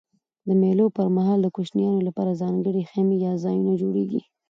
د مېلو پر مهال د کوچنيانو له پاره ځانګړي خیمې یا ځایونه جوړېږي.